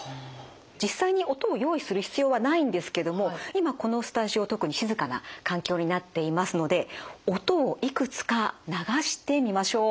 実際に音を用意する必要はないんですけども今このスタジオ特に静かな環境になっていますので音をいくつか流してみましょう。